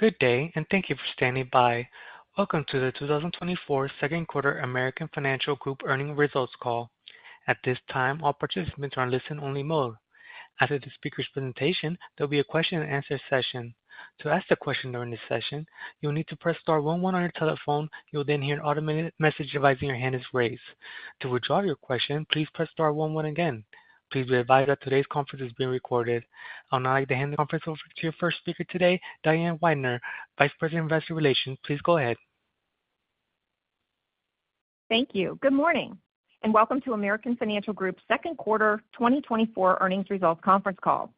Good day, and thank you for standing by. Welcome to the 2024 Second Quarter American Financial Group Earnings Results Call. At this time, all participants are in listen-only mode. After the speaker's presentation, there'll be a question-and-answer session. To ask a question during this session, you'll need to press star one one on your telephone. You'll then hear an automated message advising your hand is raised. To withdraw your question, please press star one one again. Please be advised that today's conference is being recorded. I would now like to hand the conference over to your first speaker today, Diane Weidner, Vice President, Investor Relations. Please go ahead. Thank you. Good morning, and welcome to American Financial Group's second quarter 2024 earnings results conference call.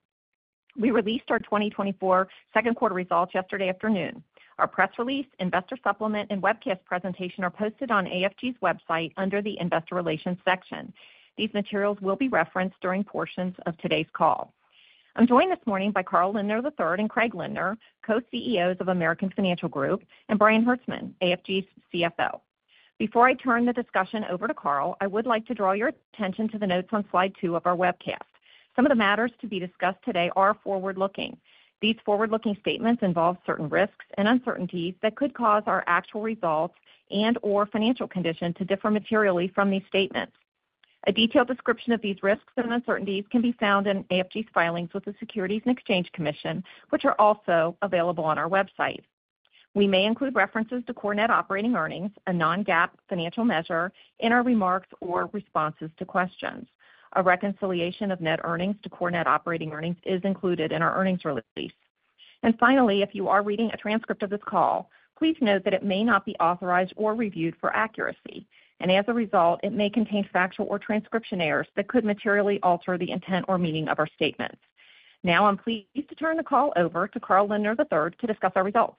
We released our 2024 second quarter results yesterday afternoon. Our press release, investor supplement, and webcast presentation are posted on AFG's website under the Investor Relations section. These materials will be referenced during portions of today's call. I'm joined this morning by Carl Lindner III and Craig Lindner, Co-CEOs of American Financial Group, and Brian Hertzman, AFG's CFO. Before I turn the discussion over to Carl, I would like to draw your attention to the notes on slide two of our webcast. Some of the matters to be discussed today are forward-looking. These forward-looking statements involve certain risks and uncertainties that could cause our actual results and/or financial conditions to differ materially from these statements. A detailed description of these risks and uncertainties can be found in AFG's filings with the Securities and Exchange Commission, which are also available on our website. We may include references to core net operating earnings, a non-GAAP financial measure, in our remarks or responses to questions. A reconciliation of net earnings to core net operating earnings is included in our earnings release. And finally, if you are reading a transcript of this call, please note that it may not be authorized or reviewed for accuracy, and as a result, it may contain factual or transcription errors that could materially alter the intent or meaning of our statements. Now I'm pleased to turn the call over to Carl Lindner III to discuss our results.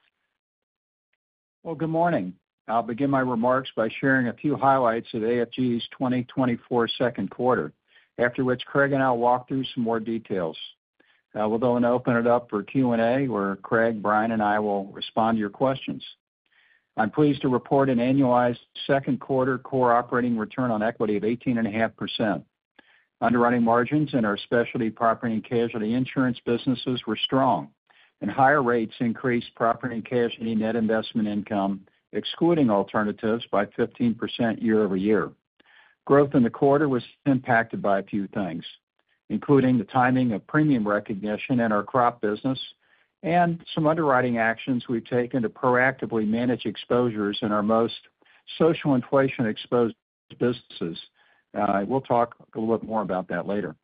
Well, good morning. I'll begin my remarks by sharing a few highlights of AFG's 2024 second quarter, after which Craig and I will walk through some more details. We'll go and open it up for Q&A, where Craig, Brian, and I will respond to your questions. I'm pleased to report an annualized second quarter core operating return on equity of 18.5%. Underwriting margins in our Specialty Property and Casualty insurance businesses were strong, and higher rates increased property and casualty net investment income, excluding alternatives, by 15% year-over-year. Growth in the quarter was impacted by a few things, including the timing of premium recognition in our crop business and some underwriting actions we've taken to proactively manage exposures in our most social inflation-exposed businesses. We'll talk a little bit more about that later.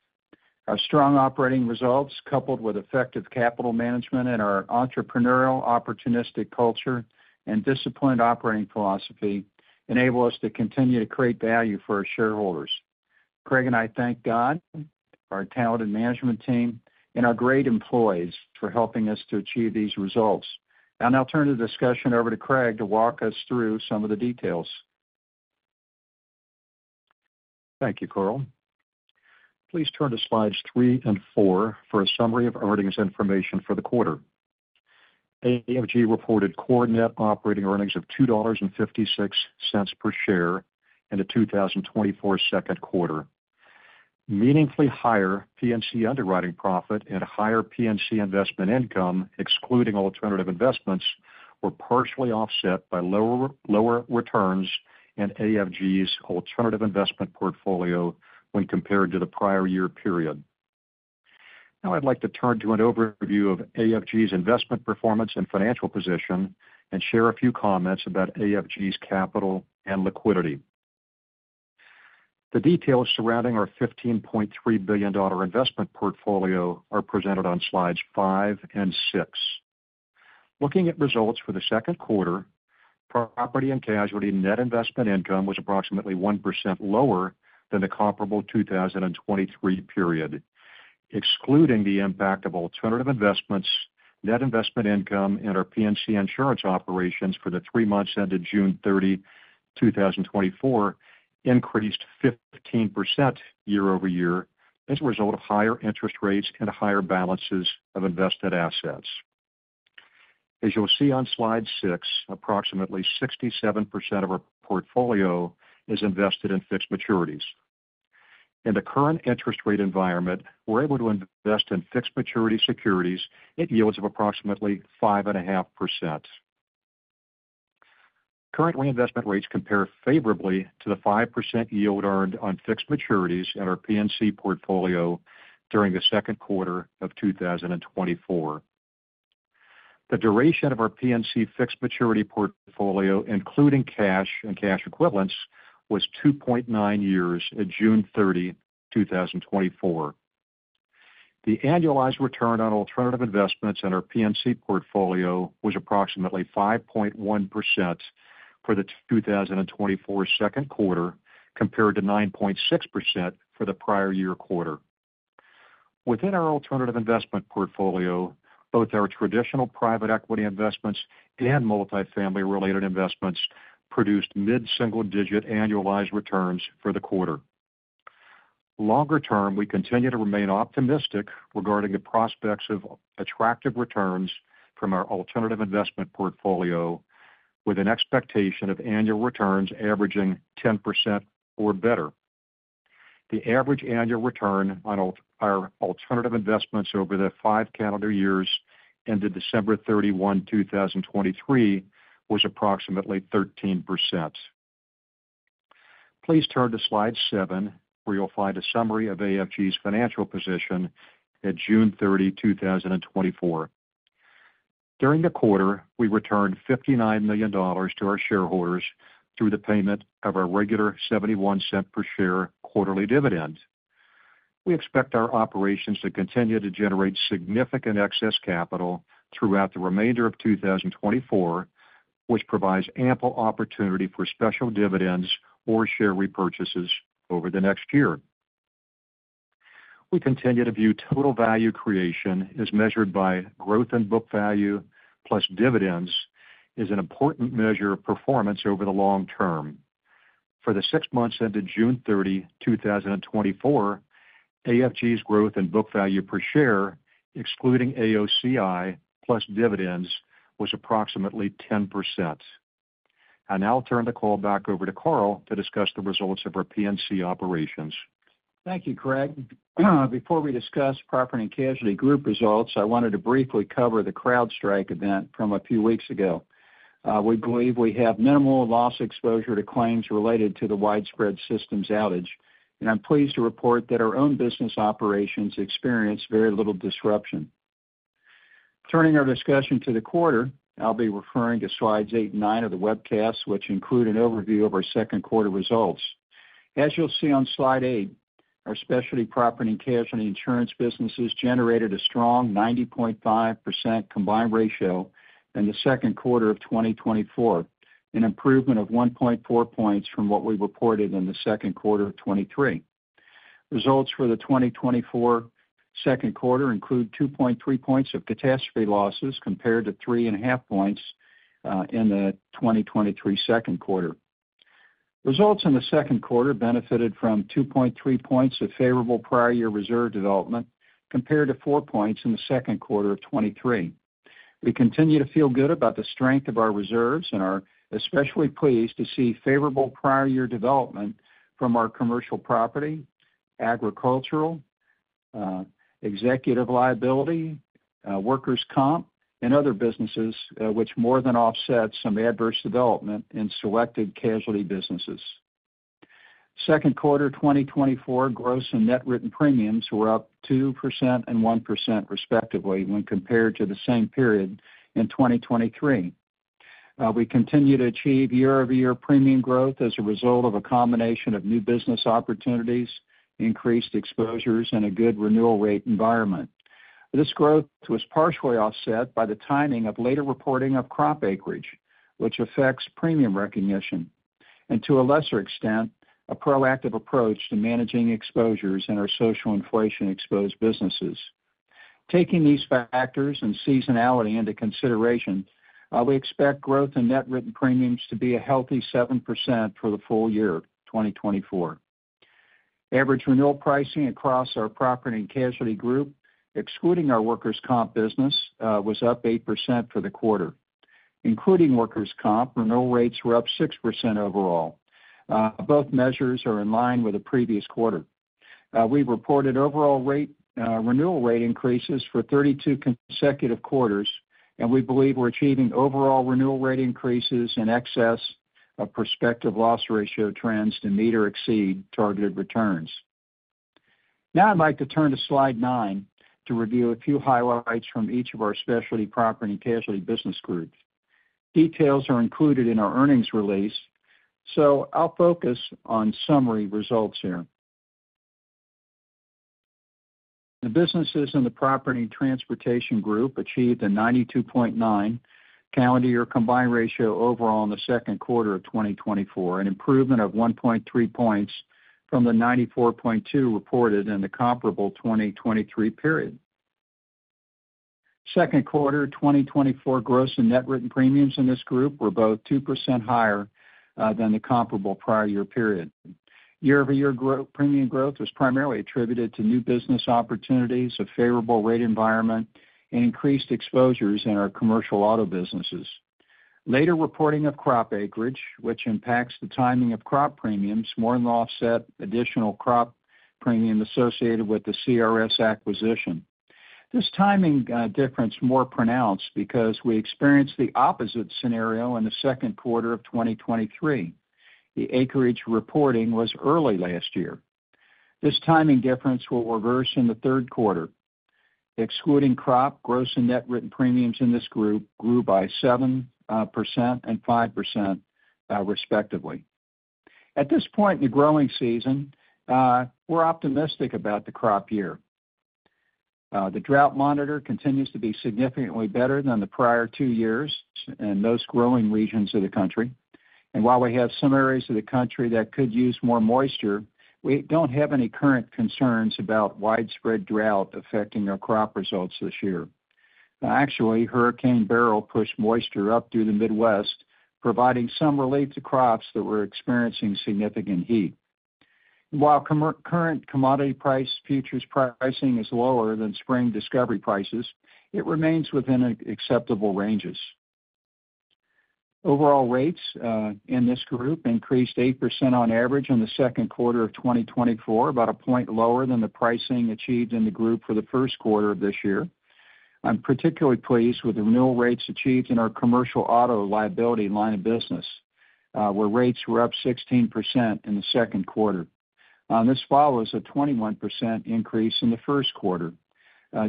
Our strong operating results, coupled with effective capital management and our entrepreneurial, opportunistic culture and disciplined operating philosophy, enable us to continue to create value for our shareholders. Craig and I thank God, our talented management team, and our great employees for helping us to achieve these results. I'll now turn the discussion over to Craig to walk us through some of the details. Thank you, Carl. Please turn to slides three and four for a summary of earnings information for the quarter. AFG reported core net operating earnings of $2.56 per share in the 2024 second quarter. Meaningfully higher P&C underwriting profit and higher P&C investment income, excluding alternative investments, were partially offset by lower, lower returns in AFG's alternative investment portfolio when compared to the prior year period. Now I'd like to turn to an overview of AFG's investment performance and financial position and share a few comments about AFG's capital and liquidity. The details surrounding our $15.3 billion investment portfolio are presented on slides five and six. Looking at results for the second quarter, property and casualty net investment income was approximately 1% lower than the comparable 2023 period. Excluding the impact of alternative investments, net investment income in our P&C insurance operations for the three months ended June 30, 2024, increased 15% year-over-year as a result of higher interest rates and higher balances of invested assets. As you'll see on slide six, approximately 67% of our portfolio is invested in fixed maturities. In the current interest rate environment, we're able to invest in fixed maturity securities at yields of approximately 5.5%. Current reinvestment rates compare favorably to the 5% yield earned on fixed maturities in our P&C portfolio during the second quarter of 2024. The duration of our P&C fixed maturity portfolio, including cash and cash equivalents, was 2.9 years at June 30, 2024. The annualized return on alternative investments in our P&C portfolio was approximately 5.1% for the 2024 second quarter, compared to 9.6% for the prior year quarter. Within our alternative investment portfolio, both our traditional private equity investments and multifamily-related investments produced mid-single-digit annualized returns for the quarter. Longer term, we continue to remain optimistic regarding the prospects of attractive returns from our alternative investment portfolio, with an expectation of annual returns averaging 10% or better. The average annual return on our alternative investments over the five calendar years ended December 31, 2023, was approximately 13%. Please turn to slide seven, where you'll find a summary of AFG's financial position at June 30, 2024. During the quarter, we returned $59 million to our shareholders through the payment of our regular $0.71 per share quarterly dividend. We expect our operations to continue to generate significant excess capital throughout the remainder of 2024, which provides ample opportunity for special dividends or share repurchases over the next year. We continue to view total value creation as measured by growth in book value plus dividends, is an important measure of performance over the long term. For the six months ended June 30, 2024, AFG's growth in book value per share, excluding AOCI, plus dividends, was approximately 10%. I'll now turn the call back over to Carl to discuss the results of our P&C operations. Thank you, Craig. Before we discuss Property and Casualty group results, I wanted to briefly cover the CrowdStrike event from a few weeks ago. We believe we have minimal loss exposure to claims related to the widespread systems outage, and I'm pleased to report that our own business operations experienced very little disruption. Turning our discussion to the quarter, I'll be referring to slides eight and nine of the webcast, which include an overview of our second quarter results. As you'll see on slide eight, our Specialty Property and Casualty insurance businesses generated a strong 90.5% combined ratio in the second quarter of 2024, an improvement of 1.4 points from what we reported in the second quarter of 2023. Results for the 2024 second quarter include 2.3 points of catastrophe losses, compared to 3.5 points in the 2023 second quarter. Results in the second quarter benefited from 2.3 points of favorable prior year reserve development, compared to four points in the second quarter of 2023. We continue to feel good about the strength of our reserves and are especially pleased to see favorable prior year development from our commercial property, agricultural, executive liability, workers' comp and other businesses, which more than offset some adverse development in selected casualty businesses. Second quarter 2024 gross and net written premiums were up 2% and 1%, respectively, when compared to the same period in 2023. We continue to achieve year-over-year premium growth as a result of a combination of new business opportunities, increased exposures, and a good renewal rate environment. This growth was partially offset by the timing of later reporting of crop acreage, which affects premium recognition, and to a lesser extent, a proactive approach to managing exposures in our social inflation-exposed businesses. Taking these factors and seasonality into consideration, we expect growth in net written premiums to be a healthy 7% for the full year of 2024. Average renewal pricing across our property and casualty group, excluding our workers' comp business, was up 8% for the quarter. Including workers' comp, renewal rates were up 6% overall. Both measures are in line with the previous quarter. We reported overall rate renewal rate increases for 32 consecutive quarters, and we believe we're achieving overall renewal rate increases in excess of prospective loss ratio trends to meet or exceed targeted returns. Now I'd like to turn to slide nine to review a few highlights from each of our Specialty Property and Casualty business groups. Details are included in our earnings release, so I'll focus on summary results here. The businesses in the Property and Transportation Group achieved a 92.9 calendar year combined ratio overall in the second quarter of 2024, an improvement of 1.3 points from the 94.2 reported in the comparable 2023 period. Second quarter 2024 gross and net written premiums in this group were both 2% higher than the comparable prior year period. Year-over-year premium growth was primarily attributed to new business opportunities, a favorable rate environment, and increased exposures in our commercial auto businesses. Later reporting of crop acreage, which impacts the timing of crop premiums, more than offset additional crop premium associated with the CRS acquisition. This timing difference more pronounced because we experienced the opposite scenario in the second quarter of 2023. The acreage reporting was early last year. This timing difference will reverse in the third quarter. Excluding crop, gross and net written premiums in this group grew by 7% and 5%, respectively. At this point in the growing season, we're optimistic about the crop year. The drought monitor continues to be significantly better than the prior two years in most growing regions of the country. And while we have some areas of the country that could use more moisture, we don't have any current concerns about widespread drought affecting our crop results this year. Actually, Hurricane Beryl pushed moisture up through the Midwest, providing some relief to crops that were experiencing significant heat. While current commodity price futures pricing is lower than spring discovery prices, it remains within acceptable ranges. Overall rates in this group increased 8% on average in the second quarter of 2024, about a point lower than the pricing achieved in the group for the first quarter of this year. I'm particularly pleased with the renewal rates achieved in our commercial auto liability line of business, where rates were up 16% in the second quarter. This follows a 21% increase in the first quarter,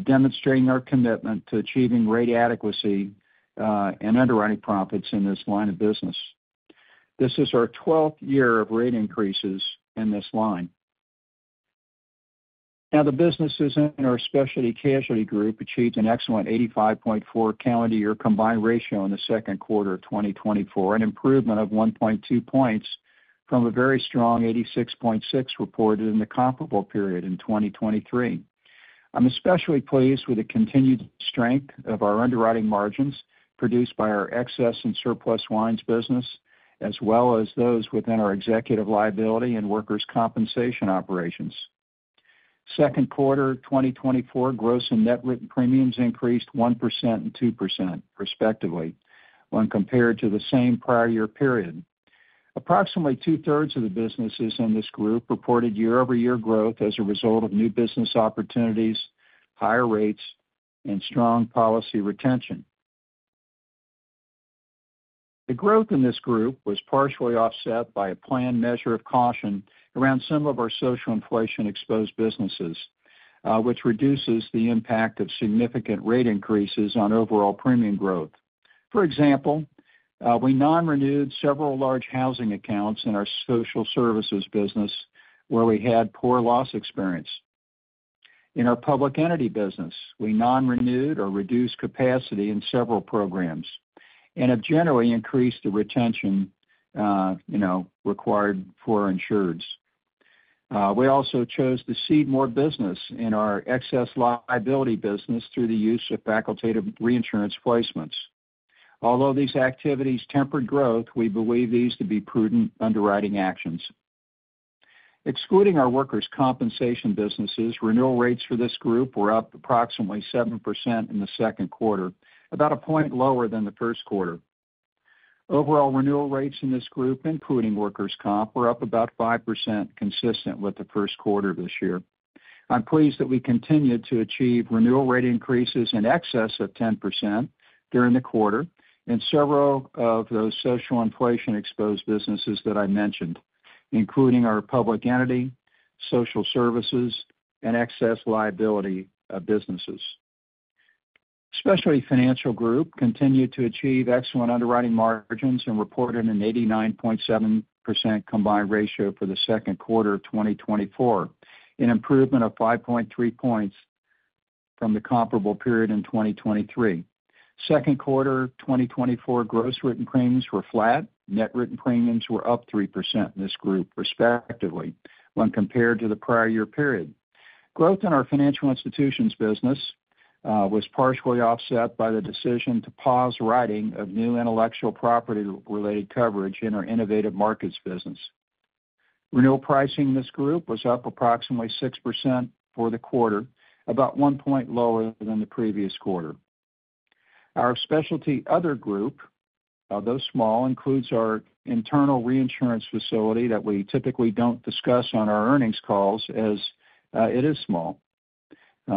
demonstrating our commitment to achieving rate adequacy and underwriting profits in this line of business. This is our 12th year of rate increases in this line. Now, the businesses in our Specialty Casualty Group achieved an excellent 85.4 calendar year combined ratio in the second quarter of 2024, an improvement of 1.2 points from a very strong 86.6 reported in the comparable period in 2023. I'm especially pleased with the continued strength of our underwriting margins produced by our excess and surplus lines business, as well as those within our executive liability and workers' compensation operations. Second quarter 2024 gross and net written premiums increased 1% and 2%, respectively, when compared to the same prior year period. Approximately two-thirds of the businesses in this group reported year-over-year growth as a result of new business opportunities, higher rates, and strong policy retention. The growth in this group was partially offset by a planned measure of caution around some of our social inflation-exposed businesses, which reduces the impact of significant rate increases on overall premium growth. For example, we non-renewed several large housing accounts in our Social Services business, where we had poor loss experience. In our Public Entity business, we non-renewed or reduced capacity in several programs and have generally increased the retention, you know, required for our insureds. We also chose to cede more business in our Excess Liability business through the use of facultative reinsurance placements. Although these activities tempered growth, we believe these to be prudent underwriting actions. Excluding our workers' compensation businesses, renewal rates for this group were up approximately 7% in the second quarter, about a point lower than the first quarter. Overall, renewal rates in this group, including workers' comp, were up about 5%, consistent with the first quarter of this year. I'm pleased that we continued to achieve renewal rate increases in excess of 10% during the quarter in several of those social inflation-exposed businesses that I mentioned, including our Public Entity, Social Services, and Excess Liability businesses. Specialty Financial Group continued to achieve excellent underwriting margins and reported an 89.7% combined ratio for the second quarter of 2024, an improvement of 5.3 points from the comparable period in 2023. Second quarter 2024 gross written premiums were flat. Net written premiums were up 3% in this group, respectively, when compared to the prior year period. Growth in our Financial Institutions business was partially offset by the decision to pause writing of new intellectual property-related coverage in our Innovative Markets business. Renewal pricing in this group was up approximately 6% for the quarter, about one point lower than the previous quarter. Our specialty other group, although small, includes our internal reinsurance facility that we typically don't discuss on our earnings calls, as it is small.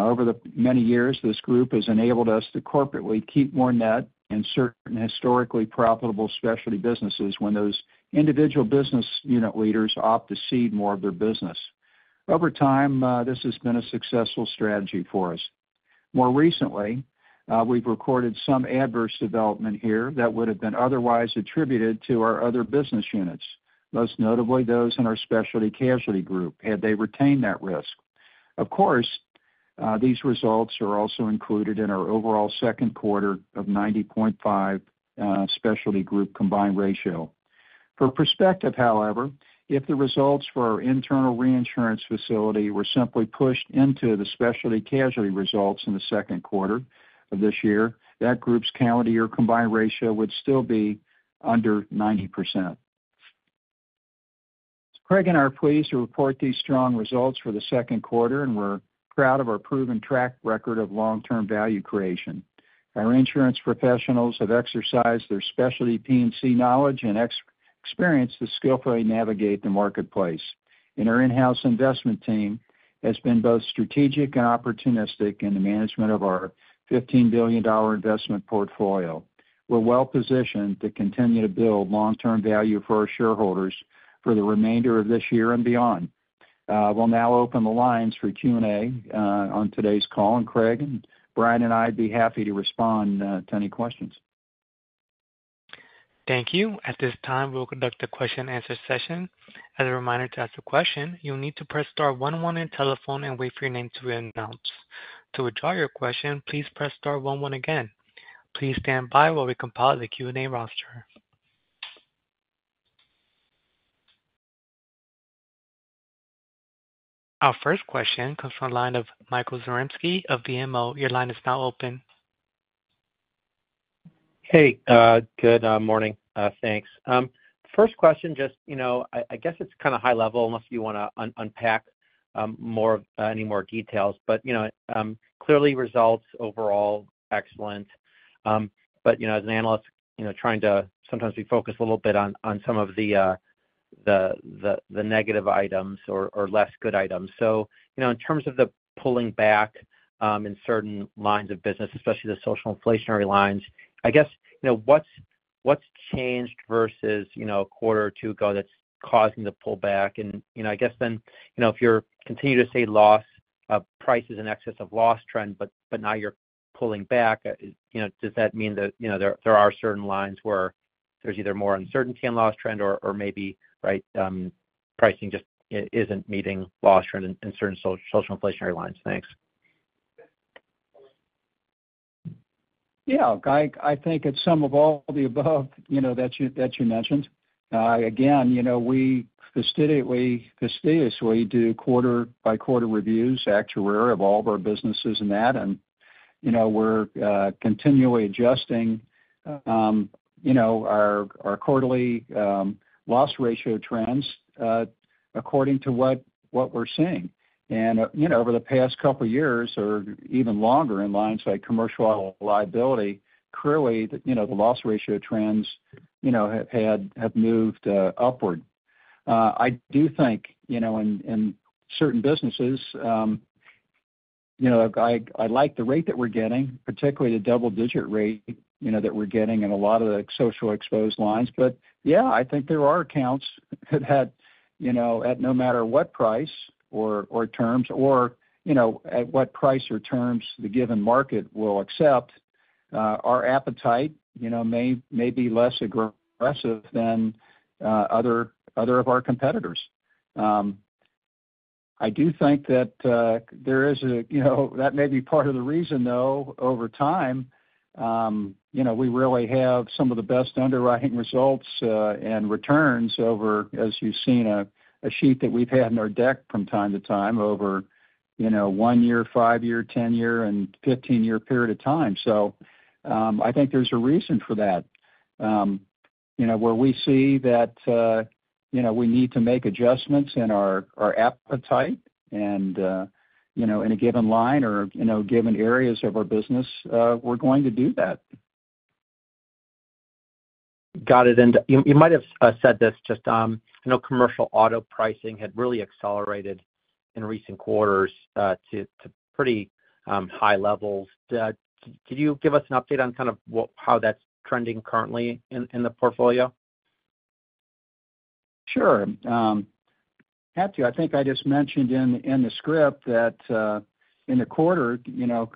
Over the many years, this group has enabled us to corporately keep more net in certain historically profitable specialty businesses when those individual business unit leaders opt to cede more of their business. Over time, this has been a successful strategy for us. More recently, we've recorded some adverse development here that would have been otherwise attributed to our other business units, most notably those in our Specialty Casualty Group, had they retained that risk. Of course, these results are also included in our overall second quarter of 90.5, specialty group combined ratio. For perspective, however, if the results for our internal reinsurance facility were simply pushed into the Specialty Casualty results in the second quarter of this year, that group's calendar year combined ratio would still be under 90%. Craig and I are pleased to report these strong results for the second quarter, and we're proud of our proven track record of long-term value creation. Our insurance professionals have exercised their specialty P&C knowledge and experience to skillfully navigate the marketplace, and our in-house investment team has been both strategic and opportunistic in the management of our $15 billion investment portfolio. We're well positioned to continue to build long-term value for our shareholders for the remainder of this year and beyond. We'll now open the lines for Q&A on today's call, and Craig, Brian, and I'd be happy to respond to any questions. Thank you. At this time, we'll conduct a question-and-answer session. As a reminder, to ask a question, you'll need to press star one one on your telephone and wait for your name to be announced. To withdraw your question, please press star one one again. Please stand by while we compile the Q&A roster. Our first question comes from the line of Michael Zaremski of BMO. Your line is now open. Hey, good morning, thanks. First question, just, you know, I guess it's kind of high level, unless you wanna unpack more, any more details, but, you know, clearly results overall, excellent. But, you know, as an analyst, you know, trying to sometimes we focus a little bit on some of the negative items or less good items. So, you know, in terms of the pulling back in certain lines of business, especially the social inflation lines, I guess, you know, what's changed versus a quarter or two ago that's causing the pullback? You know, I guess then, you know, if you're continuing to see loss of prices in excess of loss trend, but now you're pulling back, you know, does that mean that, you know, there are certain lines where there's either more uncertainty in loss trend or maybe, right, pricing just isn't meeting loss trend in certain social inflationary lines? Thanks. Yeah, I think it's some of all the above, you know, that you mentioned. Again, you know, we fastidiously do quarter by quarter reviews, actuary of all of our businesses in that. And, you know, we're continually adjusting, you know, our quarterly loss ratio trends, according to what we're seeing. And, you know, over the past couple of years, or even longer, in lines like commercial liability, clearly, you know, the loss ratio trends, you know, have moved upward. I do think, you know, in certain businesses, you know, I like the rate that we're getting, particularly the double digit rate, you know, that we're getting in a lot of the social exposed lines. But yeah, I think there are accounts that had, you know, at no matter what price or terms or, you know, at what price or terms the given market will accept, our appetite, you know, may be less aggressive than other of our competitors. I do think that there is a, you know, that may be part of the reason, though, over time, you know, we really have some of the best underwriting results and returns over, as you've seen, a sheet that we've had in our deck from time to time over, you know, one year, five year, 10 year, and 15 year period of time. So, I think there's a reason for that. You know, where we see that you know, we need to make adjustments in our appetite and you know, in a given line or you know, given areas of our business, we're going to do that. Got it. And you might have said this, just, I know commercial auto pricing had really accelerated in recent quarters to pretty high levels. Could you give us an update on kind of how that's trending currently in the portfolio? Sure. Happy to. I think I just mentioned in the script that in the quarter, you know,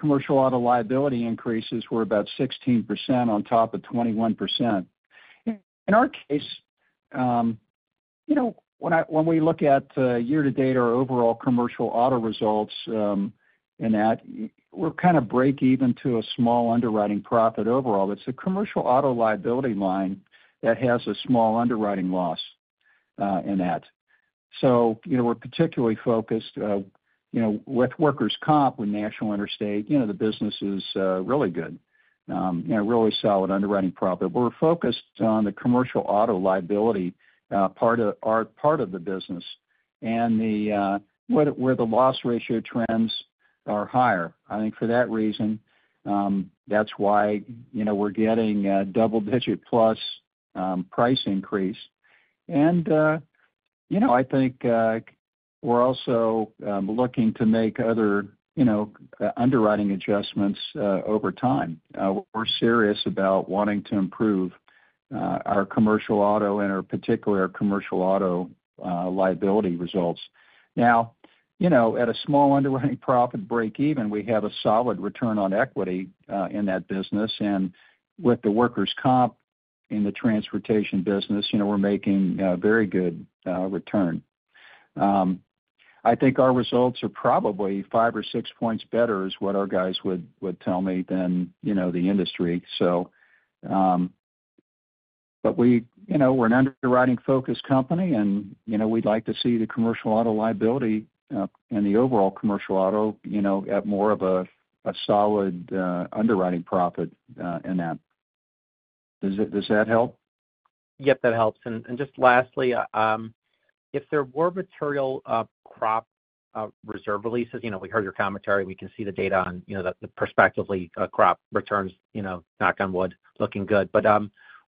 commercial auto liability increases were about 16% on top of 21%. In our case, you know, when we look at year to date, our overall commercial auto results, we're kind of break even to a small underwriting profit overall. It's a commercial auto liability line that has a small underwriting loss in that. So you know, we're particularly focused, you know, with workers' comp, with National Interstate, you know, the business is really good, you know, really solid underwriting profit. But we're focused on the commercial auto liability part of our part of the business and where the loss ratio trends are higher. I think for that reason, that's why, you know, we're getting a double-digit plus price increase. And, you know, I think, we're also looking to make other, you know, underwriting adjustments over time. We're serious about wanting to improve our commercial auto and our particular commercial auto liability results. Now, you know, at a small underwriting profit break even, we have a solid return on equity in that business. And with the workers' comp in the transportation business, you know, we're making a very good return. I think our results are probably five or six points better is what our guys would tell me than, you know, the industry. So, but you know, we're an underwriting-focused company, and, you know, we'd like to see the commercial auto liability, and the overall commercial auto, you know, at more of a solid underwriting profit, in that. Does that help? Yep, that helps. And just lastly, if there were material crop reserve releases, you know, we heard your commentary, we can see the data on, you know, the prospective crop returns, you know, knock on wood, looking good. But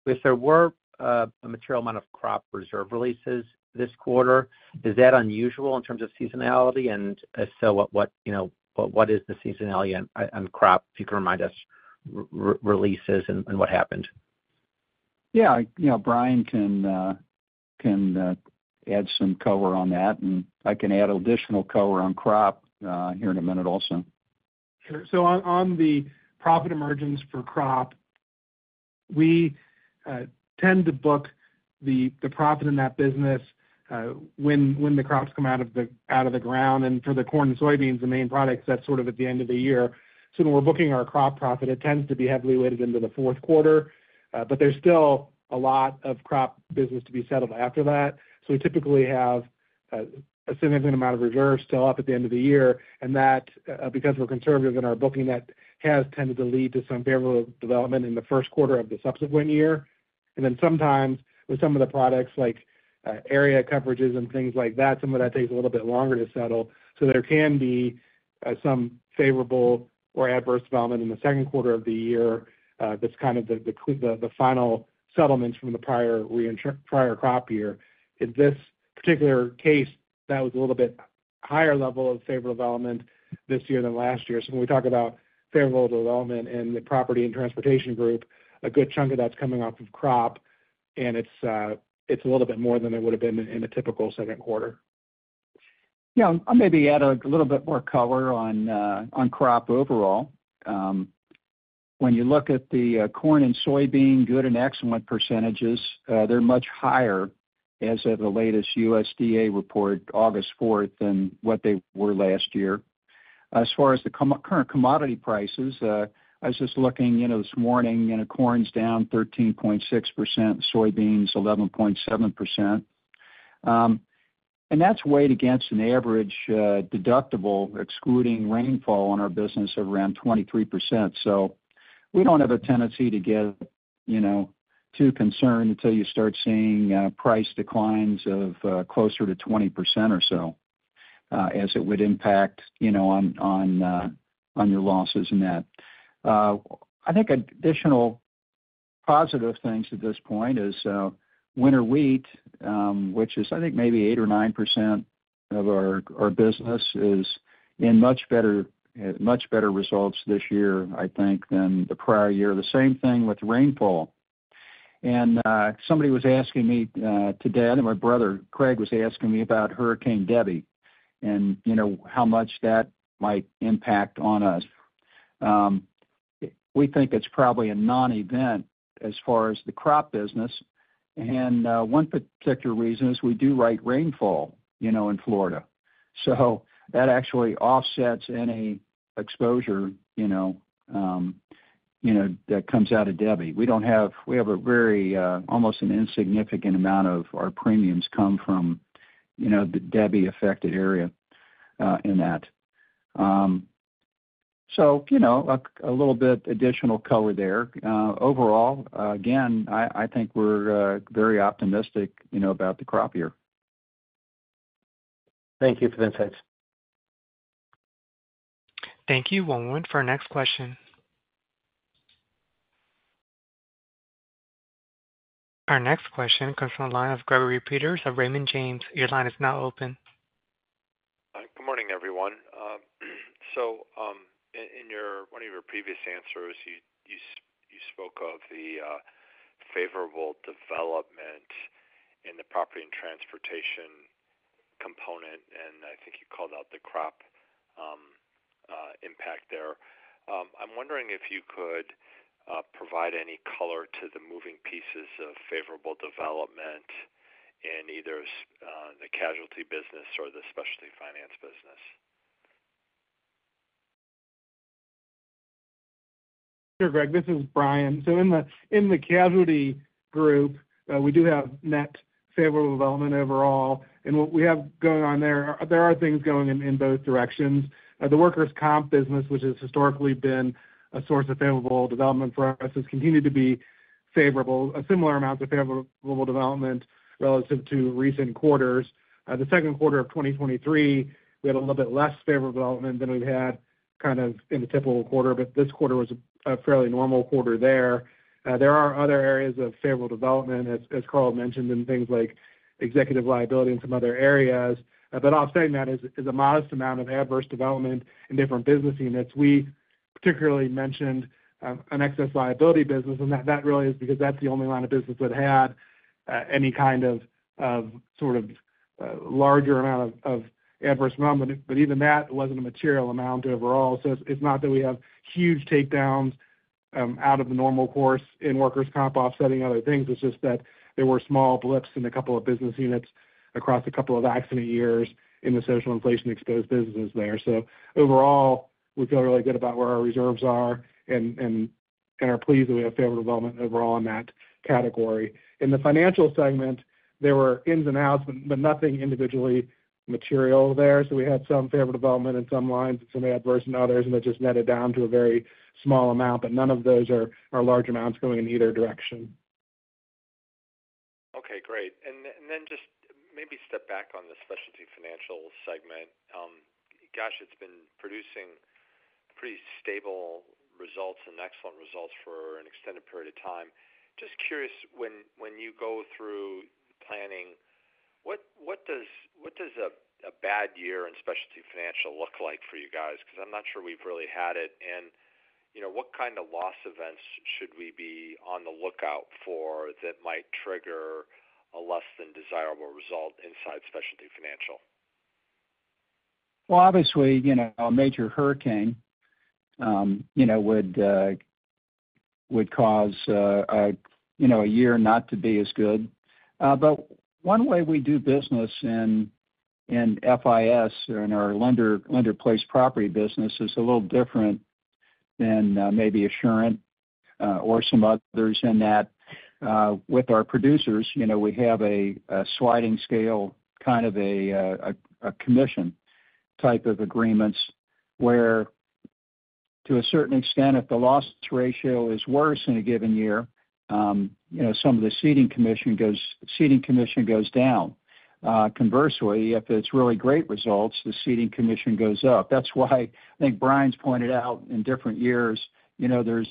if there were a material amount of crop reserve releases this quarter, is that unusual in terms of seasonality? And if so, what you know what is the seasonality on crop? If you can remind us releases and what happened. Yeah, you know, Brian can add some color on that, and I can add additional color on crop here in a minute also. Sure. So on the profit emergence for crop, we tend to book the profit in that business, when the crops come out of the ground, and for the corn and soybeans, the main products, that's sort of at the end of the year. So when we're booking our crop profit, it tends to be heavily weighted into the fourth quarter. But there's still a lot of crop business to be settled after that. So we typically have a significant amount of reserves still up at the end of the year, and that, because we're conservative in our booking, that has tended to lead to some favorable development in the first quarter of the subsequent year... And then sometimes with some of the products like, area coverages and things like that, some of that takes a little bit longer to settle. So there can be, some favorable or adverse development in the second quarter of the year, that's kind of the final settlements from the prior crop year. In this particular case, that was a little bit higher level of favorable development this year than last year. So when we talk about favorable development in the Property and Transportation Group, a good chunk of that's coming off of crop, and it's, it's a little bit more than it would have been in a typical second quarter. Yeah, I'll maybe add a little bit more color on crop overall. When you look at the corn and soybean good and excellent percentages, they're much higher as of the latest USDA report, August fourth, than what they were last year. As far as the current commodity prices, I was just looking, you know, this morning, you know, corn's down 13.6%, soybeans 11.7%. And that's weighed against an average deductible, excluding rainfall on our business of around 23%. So we don't have a tendency to get, you know, too concerned until you start seeing price declines of closer to 20% or so, as it would impact, you know, on your losses in that. I think additional positive things at this point is winter wheat, which is, I think maybe 8% or 9% of our business, is in much better results this year, I think, than the prior year. The same thing with rainfall. Somebody was asking me today, I think my brother, Craig, was asking me about Hurricane Debby, and you know, how much that might impact on us. We think it's probably a non-event as far as the crop business, and one particular reason is we do write rainfall, you know, in Florida. So that actually offsets any exposure, you know, that comes out of Debby. We have a very almost an insignificant amount of our premiums come from, you know, the Debby-affected area, in that. So, you know, a little bit additional color there. Overall, again, I think we're very optimistic, you know, about the crop year. Thank you for the insights. Thank you. One moment for our next question. Our next question comes from the line of Gregory Peters of Raymond James. Your line is now open. Hi, good morning, everyone. So, in one of your previous answers, you spoke of the favorable development in the Property and Transportation component, and I think you called out the crop impact there. I'm wondering if you could provide any color to the moving pieces of favorable development in either the casualty business or the specialty finance business? Sure, Greg, this is Brian. So in the casualty group, we do have net favorable development overall. And what we have going on there, there are things going in both directions. The workers' comp business, which has historically been a source of favorable development for us, has continued to be favorable, a similar amount of favorable development relative to recent quarters. The second quarter of 2023, we had a little bit less favorable development than we've had kind of in a typical quarter, but this quarter was a fairly normal quarter there. There are other areas of favorable development, as Carl mentioned, in things like executive liability and some other areas. But offsetting that is a modest amount of adverse development in different business units. We particularly mentioned an excess liability business, and that really is because that's the only line of business that had any kind of sort of larger amount of adverse development. But even that wasn't a material amount overall. So it's not that we have huge takedowns out of the normal course in workers' comp offsetting other things. It's just that there were small blips in a couple of business units across a couple of accident years in the social inflation exposed businesses there. So overall, we feel really good about where our reserves are and are pleased that we have favorable development overall in that category. In the financial segment, there were ins and outs, but nothing individually material there. So we had some favorable development in some lines and some adverse in others, and it just netted down to a very small amount, but none of those are large amounts going in either direction. Okay, great. And then just maybe step back on the Specialty Financial segment. Gosh, it's been producing pretty stable results and excellent results for an extended period of time. Just curious, when you go through planning, what does a bad year in specialty financial look like for you guys? Because I'm not sure we've really had it. And, you know, what kind of loss events should we be on the lookout for that might trigger a less than desirable result inside specialty financial? Well, obviously, you know, a major hurricane, you know, would cause a year not to be as good. But one way we do business in FIS, in our lender placed property business, is a little different than maybe Assurant or some others in that with our producers, you know, we have a sliding scale, kind of a commission type of agreements, where to a certain extent, if the loss ratio is worse in a given year, you know, some of the ceding commission goes down. Conversely, if it's really great results, the ceding commission goes up. That's why I think Brian's pointed out in different years, you know, there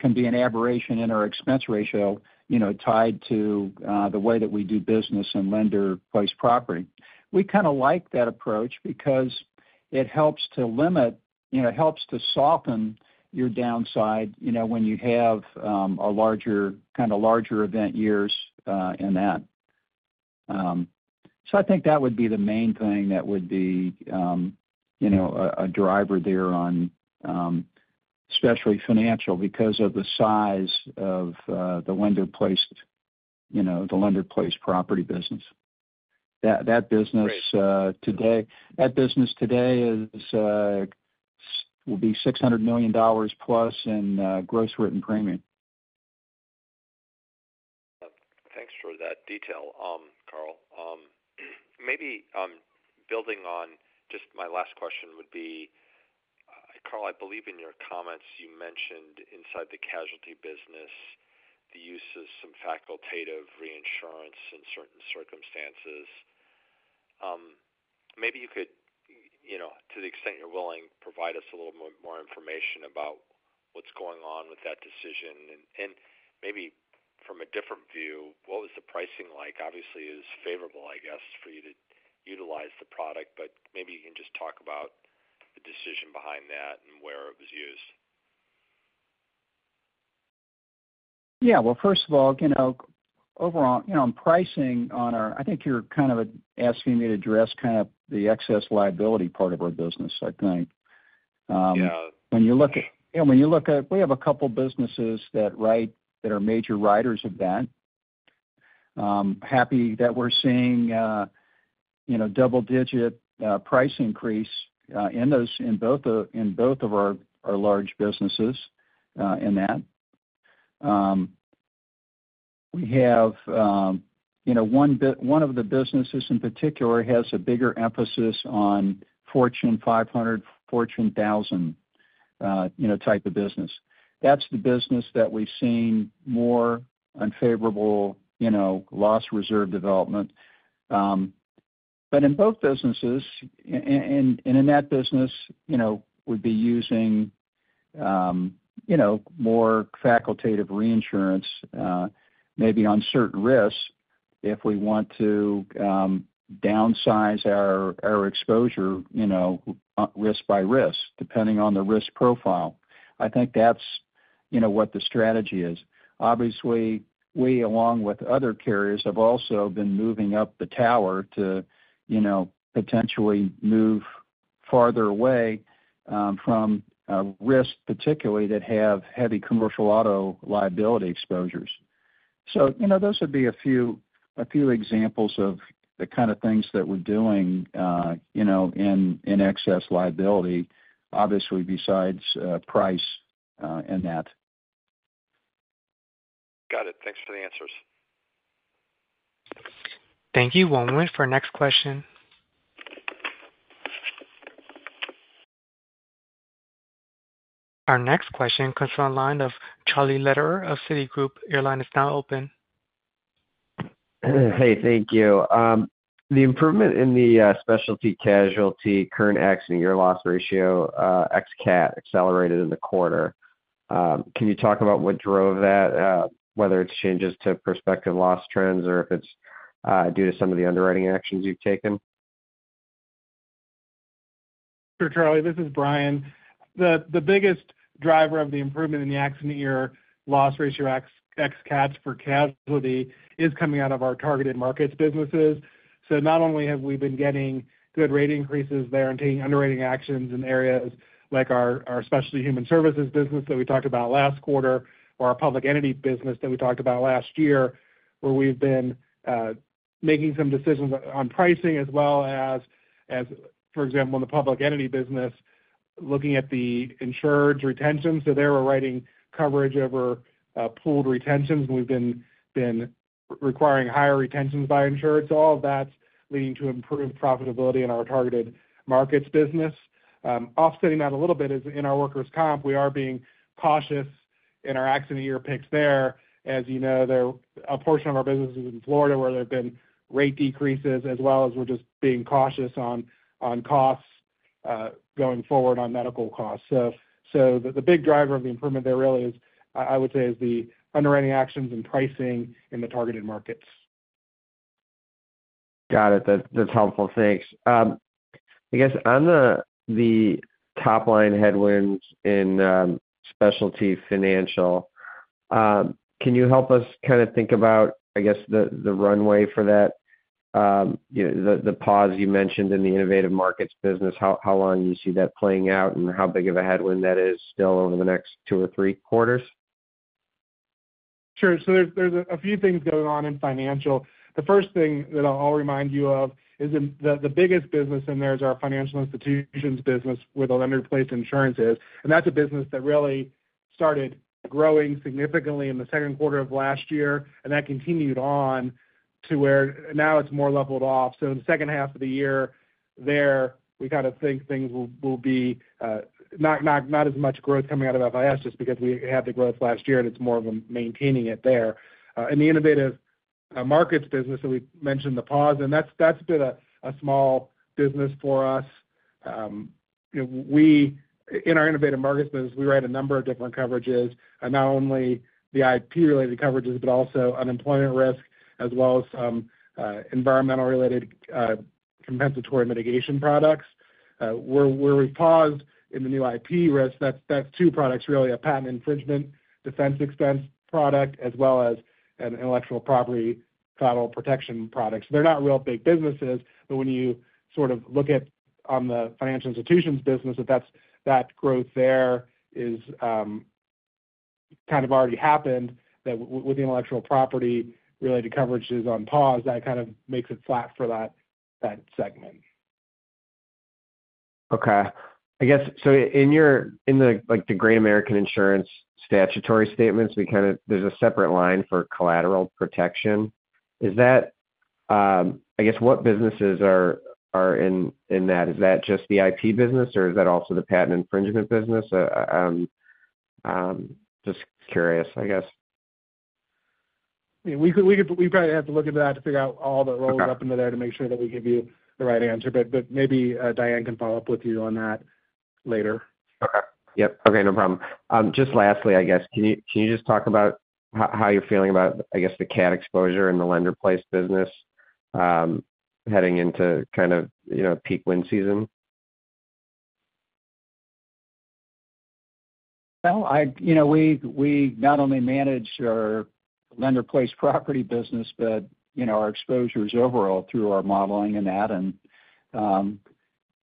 can be an aberration in our expense ratio, you know, tied to the way that we do business and lender-placed property. We kind of like that approach because it helps to limit, you know, it helps to soften your downside, you know, when you have a larger, kind of larger event years in that. So I think that would be the main thing that would be, you know, a driver there on specialty financial because of the size of the lender-placed, you know, the lender-placed property business. That business today will be $600 million plus in gross written premium. Thanks for that detail, Carl. Maybe, building on just my last question would be, Carl, I believe in your comments, you mentioned inside the casualty business, the use of some facultative reinsurance in certain circumstances. Maybe you could, you know, to the extent you're willing, provide us a little more, more information about what's going on with that decision, and, and maybe from a different view, what was the pricing like? Obviously, it was favorable, I guess, for you to utilize the product, but maybe you can just talk about the decision behind that and where it was used. Yeah. Well, first of all, you know, overall, you know, on pricing on our. I think you're kind of asking me to address kind of the excess liability part of our business, I think. Yeah. When you look at, you know, when you look at, we have a couple businesses that write, that are major writers of that. Happy that we're seeing, you know, double-digit price increase in those, in both of our large businesses in that. We have, you know, one of the businesses in particular has a bigger emphasis on Fortune 500, Fortune 1,000 type of business. That's the business that we've seen more unfavorable, you know, loss reserve development. But in both businesses, and in that business, you know, we'd be using, you know, more facultative reinsurance, maybe on certain risks, if we want to downsize our exposure, you know, risk by risk, depending on the risk profile. I think that's, you know, what the strategy is. Obviously, we, along with other carriers, have also been moving up the tower to, you know, potentially move farther away from risks, particularly that have heavy commercial auto liability exposures. So, you know, those would be a few examples of the kind of things that we're doing, you know, in excess liability, obviously, besides price in that. Got it. Thanks for the answers. Thank you. One moment for our next question. Our next question comes from the line of Charlie Lederer of Citigroup. Your line is now open. Hey, thank you. The improvement in the Specialty Casualty current accident year loss ratio ex cat accelerated in the quarter. Can you talk about what drove that? Whether it's changes to prospective loss trends or if it's due to some of the underwriting actions you've taken? Sure, Charlie, this is Brian. The biggest driver of the improvement in the accident year loss ratio ex-cats for Casualty is coming out of our targeted markets businesses. So not only have we been getting good rate increases there and taking underwriting actions in areas like our specialty human services business that we talked about last quarter, or our public entity business that we talked about last year, where we've been making some decisions on pricing as well as, for example, in the public entity business, looking at the insured's retention. So there, we're writing coverage over pooled retentions. We've been requiring higher retentions by insureds. So all of that's leading to improved profitability in our targeted markets business. Offsetting that a little bit is in our workers' comp, we are being cautious in our accident year picks there. As you know, a portion of our business is in Florida, where there have been rate decreases, as well as we're just being cautious on costs, going forward on medical costs. So, the big driver of the improvement there really is, I would say, is the underwriting actions and pricing in the targeted markets. Got it. That's helpful. Thanks. I guess on the top line headwinds in Specialty Financial, can you help us kind of think about, I guess, the runway for that? You know, the pause you mentioned in the Innovative Markets business, how long do you see that playing out and how big of a headwind that is still over the next two or three quarters? Sure. So there's a few things going on in financial. The first thing that I'll remind you of is the biggest business in there is our financial institutions business, where the lender-placed insurance is, and that's a business that really started growing significantly in the second quarter of last year, and that continued on to where now it's more leveled off. So in the second half of the year there, we kind of think things will be not as much growth coming out of FIS, just because we had the growth last year, and it's more of them maintaining it there. In the Innovative Markets business, so we mentioned the pause, and that's been a small business for us. In our Innovative Markets business, we write a number of different coverages, and not only the IP-related coverages, but also unemployment risk, as well as some environmental-related compensatory mitigation products. Where we paused in the new IP risk, that's two products, really, a patent infringement defense expense product, as well as an intellectual property title protection products. They're not real big businesses, but when you sort of look at on the financial institutions business, that's that growth there is kind of already happened, that with the intellectual property related coverages on pause, that kind of makes it flat for that segment. Okay. I guess, so in the, like, the Great American Insurance Group statutory statements, we kind of, there's a separate line for collateral protection. Is that, I guess, what businesses are in that? Is that just the IP business, or is that also the patent infringement business? Just curious, I guess. We could – we probably have to look into that to figure out all the roll-ups in there to make sure that we give you the right answer. But maybe Diane can follow up with you on that later. Okay. Yep. Okay, no problem. Just lastly, I guess, can you, can you just talk about how, how you're feeling about, I guess, the cat exposure and the lender-placed business, heading into kind of, you know, peak wind season? Well, you know, we not only manage our lender-placed property business, but, you know, our exposures overall through our modeling and that. And,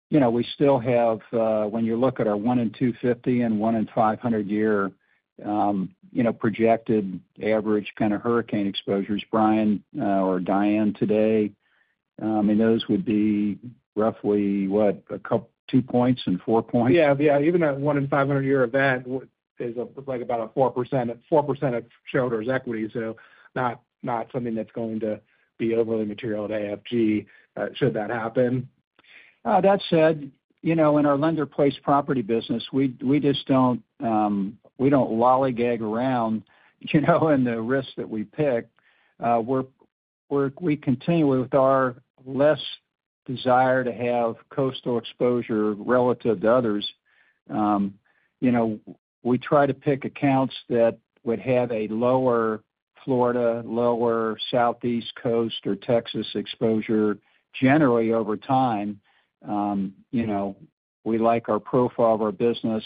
you know, we still have, when you look at our 1 in 250 and 1 in 500 year, you know, projected average kind of hurricane exposures, Brian or Diane today, and those would be roughly, what? A couple two points and four points. Yeah, yeah. Even a one in 500-year event is, like, about a 4%, at 4% of shareholders' equity, so not, not something that's going to be overly material to AFG, should that happen. That said, you know, in our lender-placed property business, we just don't lollygag around, you know, in the risks that we pick. We're, we're- we continue with our less desire to have coastal exposure relative to others. You know, we try to pick accounts that would have a lower Florida, lower Southeast Coast or Texas exposure generally over time. You know, we like our profile of our business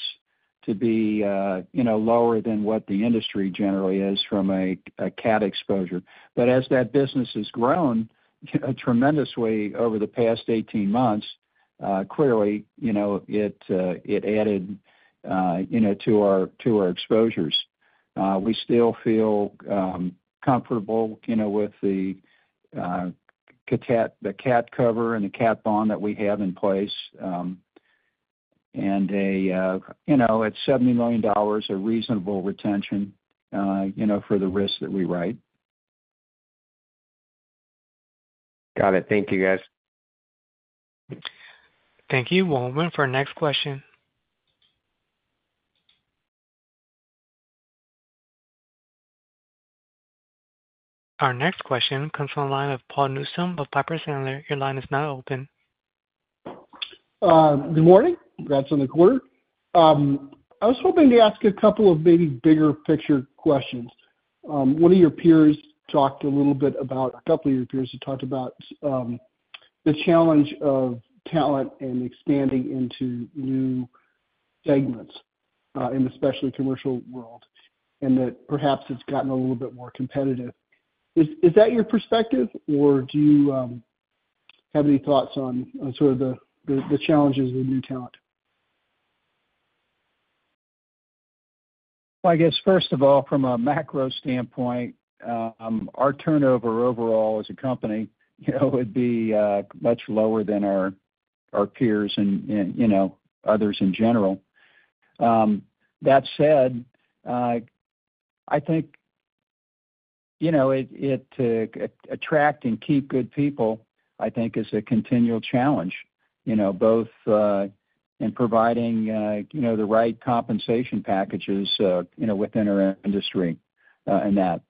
to be, you know, lower than what the industry generally is from a cat exposure. But as that business has grown tremendously over the past 18 months, clearly, you know, it added, you know, to our exposures. We still feel comfortable, you know, with the cat cover and the cat bond that we have in place. you know, at $70 million, a reasonable retention, you know, for the risk that we write. Got it. Thank you, guys. Thank you, Waltman, for our next question. Our next question comes from the line of Paul Newsome of Piper Sandler. Your line is now open. Good morning. Congrats on the quarter. I was hoping to ask a couple of maybe bigger picture questions. A couple of your peers, who talked about the challenge of talent and expanding into new segments in the specialty commercial world, and that perhaps it's gotten a little bit more competitive. Is that your perspective, or do you have any thoughts on sort of the challenges with new talent? Well, I guess, first of all, from a macro standpoint, our turnover overall as a company, you know, would be much lower than our peers and, you know, others in general. That said, I think, you know, it attract and keep good people, I think is a continual challenge, you know, both in providing, you know, the right compensation packages, you know, within our industry, and that.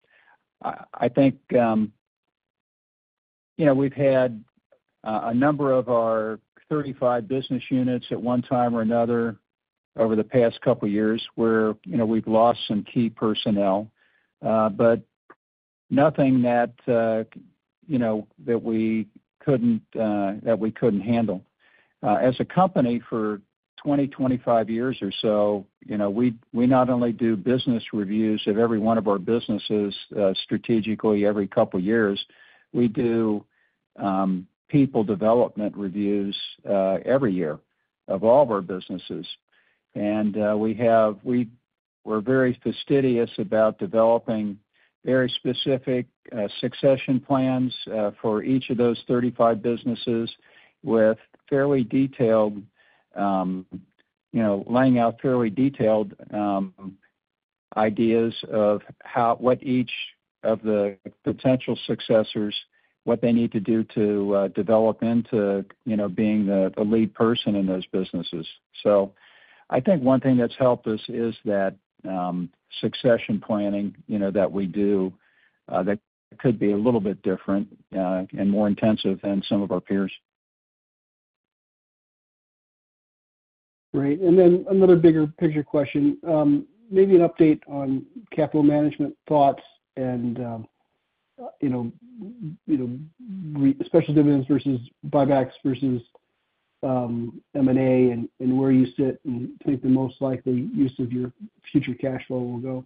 I think, you know, we've had a number of our 35 business units at one time or another over the past couple of years, where, you know, we've lost some key personnel, but nothing that, you know, that we couldn't handle. As a company for 20-25 years or so, you know, we not only do business reviews of every one of our businesses strategically, every couple of years, we do people development reviews every year of all of our businesses. And we have- we're very fastidious about developing very specific succession plans for each of those 35 businesses, with fairly detailed, you know, laying out fairly detailed ideas of how, what each of the potential successors, what they need to do to develop into, you know, being the lead person in those businesses. So I think one thing that's helped us is that succession planning, you know, that we do that could be a little bit different and more intensive than some of our peers. Great. And then another bigger picture question. Maybe an update on capital management thoughts and, you know, special dividends versus buybacks versus M&A, and where you sit and think the most likely use of your future cash flow will go?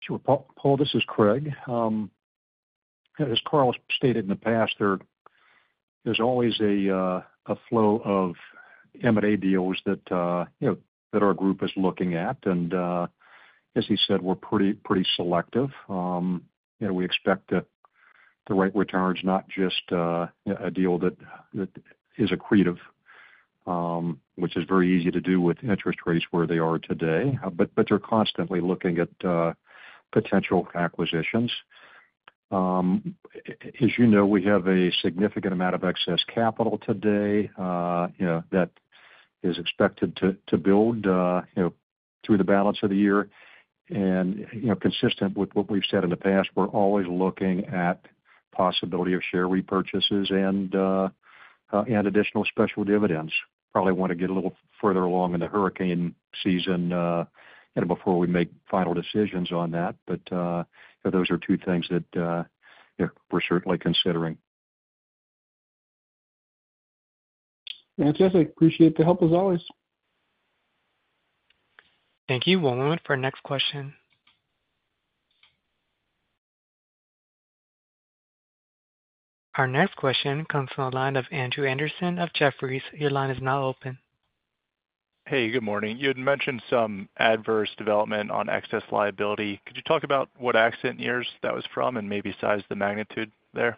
Sure, Paul. Paul, this is Craig. As Carl stated in the past, there's always a flow of M&A deals that, you know, that our group is looking at. And, as he said, we're pretty selective. You know, we expect the right returns, not just a deal that is accretive, which is very easy to do with interest rates where they are today. But they're constantly looking at potential acquisitions. As you know, we have a significant amount of excess capital today, you know, that is expected to build, you know, through the balance of the year. And, you know, consistent with what we've said in the past, we're always looking at possibility of share repurchases and additional special dividends. Probably want to get a little further along in the hurricane season, you know, before we make final decisions on that. But, those are two things that, you know, we're certainly considering. Fantastic. Appreciate the help, as always. Thank you. One moment for our next question. Our next question comes from the line of Andrew Andersen of Jefferies. Your line is now open. Hey, good morning. You had mentioned some adverse development on excess liability. Could you talk about what accident years that was from and maybe size the magnitude there?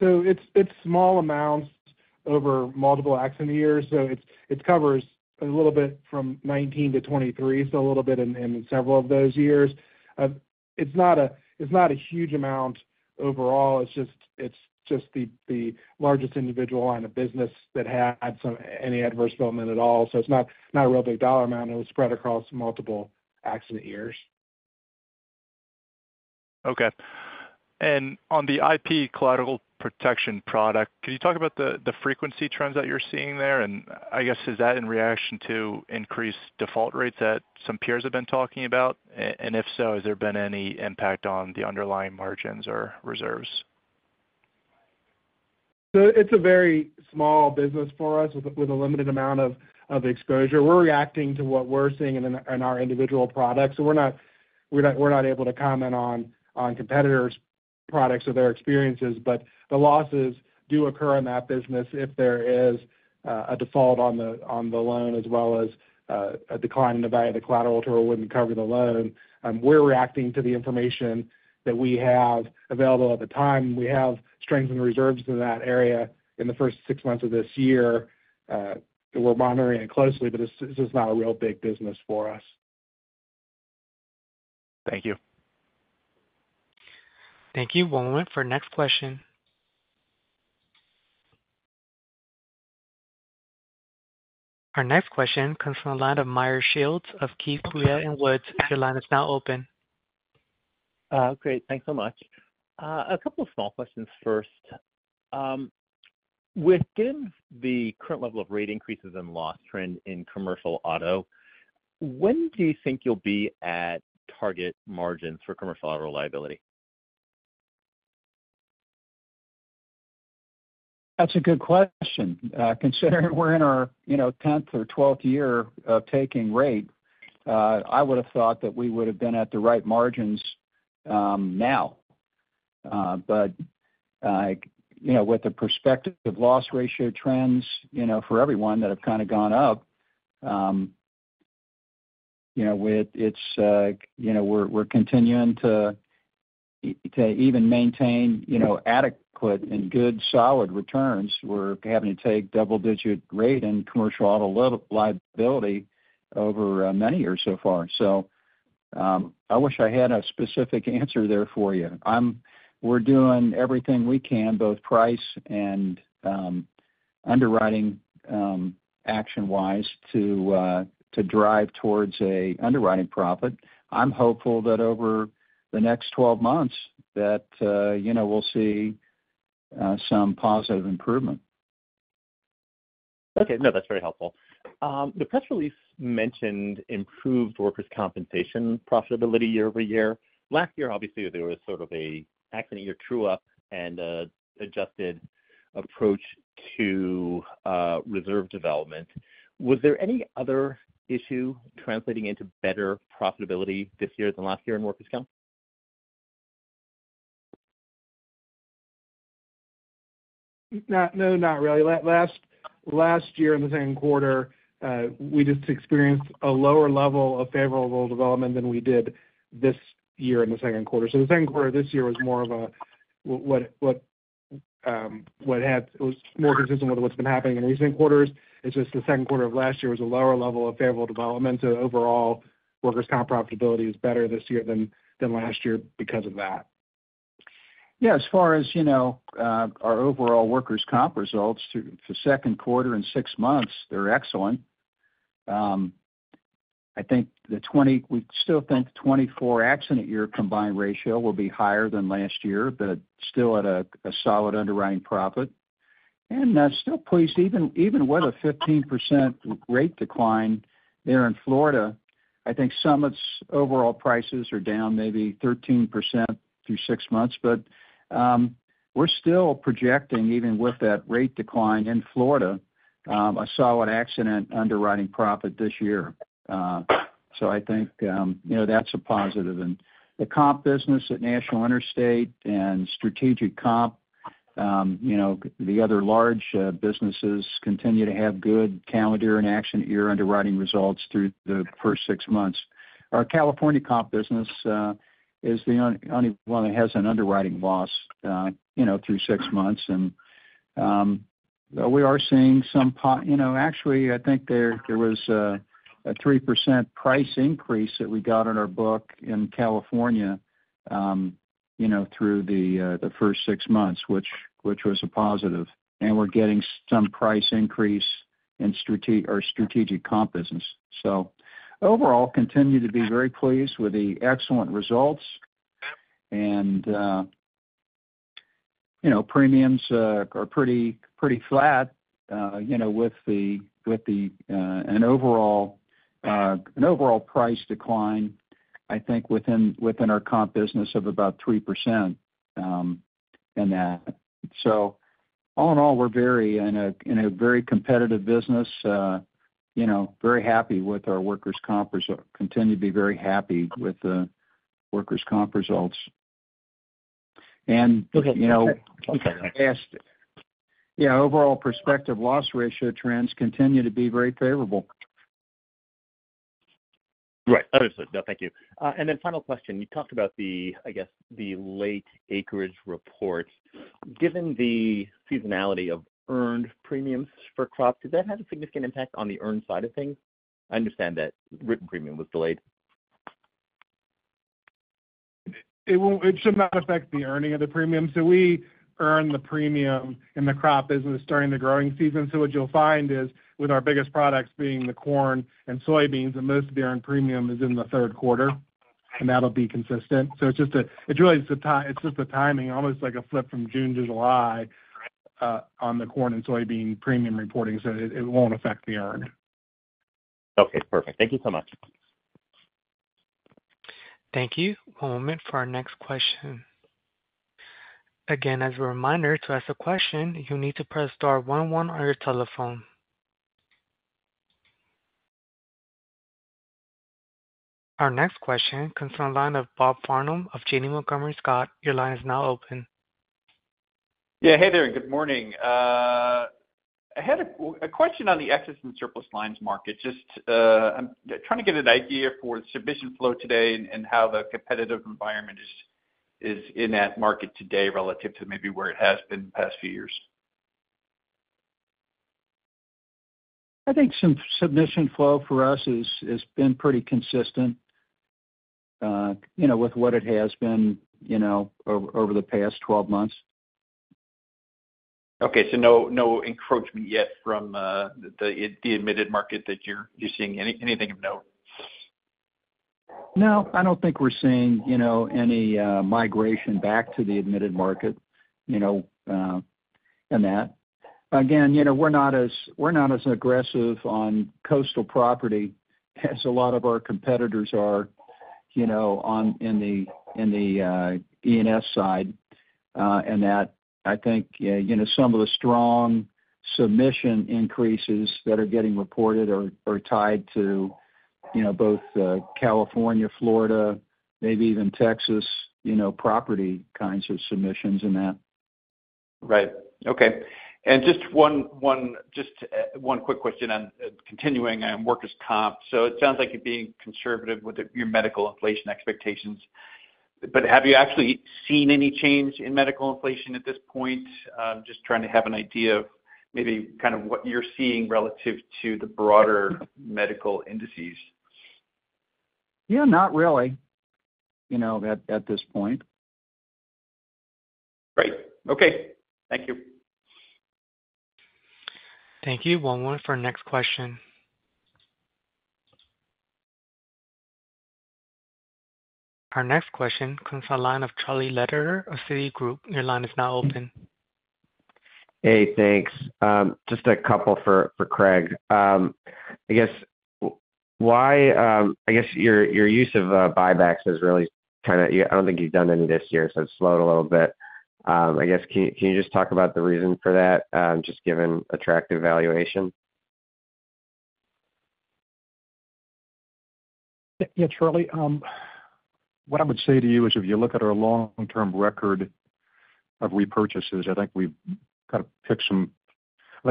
So it's small amounts over multiple accident years. So it covers a little bit from 2019-2023, so a little bit in several of those years. It's not a huge amount overall, it's just the largest individual line of business that had any adverse development at all. So it's not a real big dollar amount, and it was spread across multiple accident years. Okay. And on the IP collateral protection product, can you talk about the, the frequency trends that you're seeing there? And I guess, is that in reaction to increased default rates that some peers have been talking about? And if so, has there been any impact on the underlying margins or reserves? So it's a very small business for us, with a limited amount of exposure. We're reacting to what we're seeing in our individual products. So we're not able to comment on competitors' products or their experiences, but the losses do occur in that business if there is a default on the loan, as well as a decline in the value of the collateral that wouldn't cover the loan. We're reacting to the information that we have available at the time. We have strengthened reserves in that area in the first six months of this year. We're monitoring it closely, but this is not a real big business for us. Thank you. Thank you. One moment for our next question. Our next question comes from the line of Meyer Shields of Keefe, Bruyette & Woods. Your line is now open. Great. Thanks so much. A couple of small questions first. Within the current level of rate increases and loss trend in commercial auto, when do you think you'll be at target margins for commercial auto liability? That's a good question. Considering we're in our, you know, tenth or twelfth year of taking rate, I would've thought that we would've been at the right margins, now. But, you know, with the perspective of loss ratio trends, you know, for everyone that have kind of gone up, you know, with it's, you know, we're, we're continuing to, to even maintain, you know, adequate and good, solid returns. We're having to take double-digit rate in commercial auto liability over many years so far. So, I wish I had a specific answer there for you. We're doing everything we can, both price and, underwriting, action wise, to, to drive towards a underwriting profit. I'm hopeful that over the next twelve months, that, you know, we'll see, some positive improvement. Okay. No, that's very helpful. The press release mentioned improved workers' compensation profitability year-over-year. Last year, obviously, there was sort of a accident year true up and, adjusted approach to, reserve development. Was there any other issue translating into better profitability this year than last year in workers' comp? ... No, not really. Last year in the second quarter, we just experienced a lower level of favorable development than we did this year in the second quarter. So the second quarter this year was more of a, it was more consistent with what's been happening in recent quarters. It's just the second quarter of last year was a lower level of favorable development. So overall, workers' comp profitability is better this year than last year because of that. Yeah, as far as, you know, our overall workers' comp results through the second quarter and six months, they're excellent. I think we still think 2024 accident year combined ratio will be higher than last year, but still at a solid underwriting profit. And still pleased, even with a 15% rate decline there in Florida, I think Summit's overall prices are down maybe 13% through six months. But we're still projecting, even with that rate decline in Florida, a solid accident underwriting profit this year. So I think, you know, that's a positive. And the comp business at National Interstate and Strategic Comp, you know, the other large businesses continue to have good calendar and accident year underwriting results through the first six months. Our California comp business is the only one that has an underwriting loss, you know, through six months. And we are seeing some, you know, actually, I think there was a 3% price increase that we got in our book in California, you know, through the first six months, which was a positive. And we're getting some price increase in our Strategic Comp business. So overall, continue to be very pleased with the excellent results. And you know, premiums are pretty flat, you know, with an overall price decline, I think, within our comp business of about 3%, in that. So all in all, we're in a very competitive business, you know, very happy with our workers' comp results. Continue to be very happy with the workers' comp results. And, you know, yeah, overall prospective loss ratio trends continue to be very favorable. Right. Understood. No, thank you. And then final question. You talked about the, I guess, the late acreage reports. Given the seasonality of earned premiums for crop, did that have a significant impact on the earned side of things? I understand that written premium was delayed. It won't. It should not affect the earning of the premium. So we earn the premium in the crop business during the growing season. So what you'll find is, with our biggest products being the corn and soybeans, and most of the earned premium is in the third quarter, and that'll be consistent. So it's just a, it's really the timing, it's just the timing, almost like a flip from June to July, on the corn and soybean premium reporting, so it, it won't affect the earn. Okay, perfect. Thank you so much. Thank you. One moment for our next question. Again, as a reminder, to ask a question, you'll need to press star one one on your telephone. Our next question comes from the line of Bob Farnam of Janney Montgomery Scott. Your line is now open. Yeah, hey there, good morning. I had a question on the excess and surplus lines market. Just, I'm trying to get an idea for submission flow today and how the competitive environment is in that market today, relative to maybe where it has been the past few years. I think some submission flow for us is, has been pretty consistent, you know, with what it has been, you know, over, over the past twelve months. Okay, so no, no encroachment yet from the admitted market that you're seeing anything of note? No, I don't think we're seeing, you know, any migration back to the admitted market, you know, in that. Again, you know, we're not as aggressive on coastal property as a lot of our competitors are, you know, on the E&S side, and that. I think, you know, some of the strong submission increases that are getting reported are tied to, you know, both California, Florida, maybe even Texas, you know, property kinds of submissions in that. Right. Okay. And just one quick question on continuing on workers' comp. So it sounds like you're being conservative with your medical inflation expectations, but have you actually seen any change in medical inflation at this point? I'm just trying to have an idea of maybe kind of what you're seeing relative to the broader medical indices. Yeah, not really, you know, at this point. Great. Okay. Thank you. Thank you. One moment for our next question. Our next question comes from the line of Charlie Lederer of Citigroup. Your line is now open. Hey, thanks. Just a couple for, for Craig. I guess why your use of buybacks is really kind of, you know, I don't think you've done any this year, so it's slowed a little bit. I guess, can you just talk about the reason for that, just given attractive valuation? Yeah, Charlie, what I would say to you is, if you look at our long-term record of repurchases, I think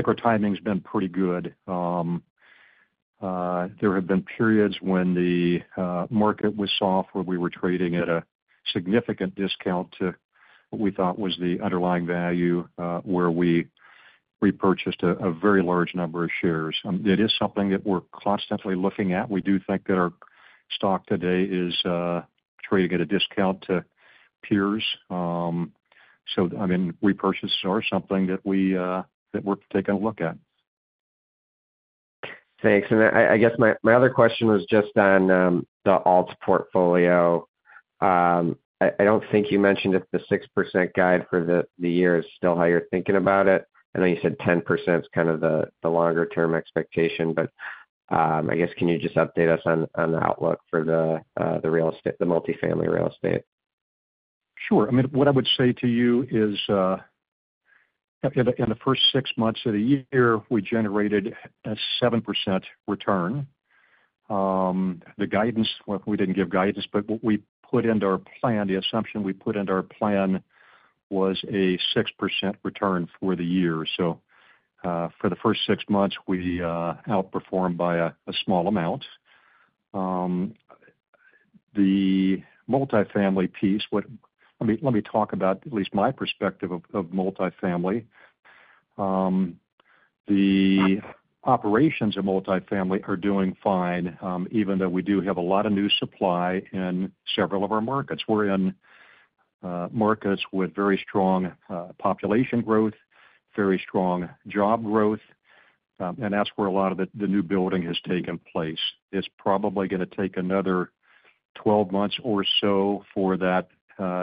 our timing's been pretty good. There have been periods when the market was soft, where we were trading at a significant discount to what we thought was the underlying value, where we repurchased a very large number of shares. It is something that we're constantly looking at. We do think that our stock today is trading at a discount to peers. So, I mean, repurchases are something that we're taking a look at. Thanks. And I guess my other question was just on the alts portfolio. I don't think you mentioned if the 6% guide for the year is still how you're thinking about it. I know you said 10% is kind of the longer term expectation, but I guess, can you just update us on the outlook for the real estate, the multifamily real estate? Sure. I mean, what I would say to you is, in the first six months of the year, we generated a 7% return. The guidance, well, we didn't give guidance, but what we put into our plan, the assumption we put into our plan, was a 6% return for the year. So, for the first six months, we outperformed by a small amount. The multifamily piece, what—let me talk about at least my perspective of multifamily. The operations of multifamily are doing fine, even though we do have a lot of new supply in several of our markets. We're in markets with very strong population growth, very strong job growth, and that's where a lot of the new building has taken place. It's probably gonna take another 12 months or so for that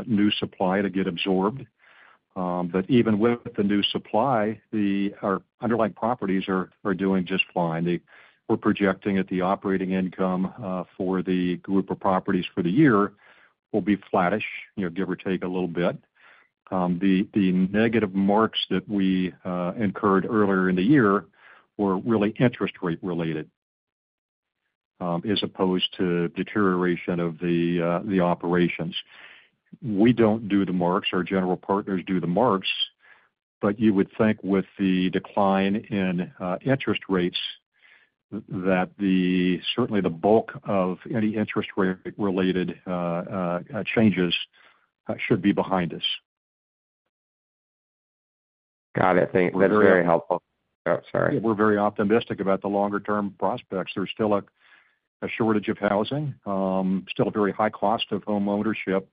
new supply to get absorbed. But even with the new supply, our underlying properties are doing just fine. We're projecting that the operating income for the group of properties for the year will be flattish, you know, give or take a little bit. The negative marks that we incurred earlier in the year were really interest rate related, as opposed to deterioration of the operations. We don't do the marks, our general partners do the marks, but you would think with the decline in interest rates, that certainly the bulk of any interest rate-related changes should be behind us. Got it. Thank you. We're very- That's very helpful. Oh, sorry. We're very optimistic about the longer term prospects. There's still a shortage of housing, still a very high cost of homeownership,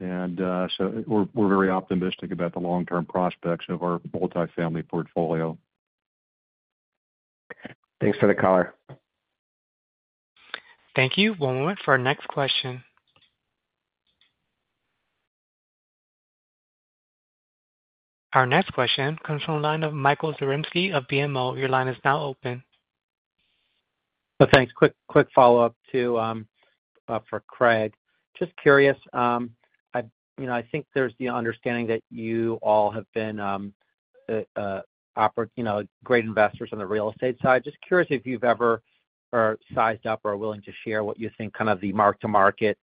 and so we're very optimistic about the long-term prospects of our multifamily portfolio. Thanks for the color. Thank you. One moment for our next question. Our next question comes from the line of Michael Zaremski of BMO. Your line is now open. Well, thanks. Quick follow-up to for Craig. Just curious, you know, I think there's the understanding that you all have been, you know, great investors on the real estate side. Just curious if you've ever sized up or are willing to share what you think kind of the mark-to-market